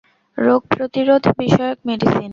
রোগ প্রতিরোধ বিষয়ক মেডিসিন।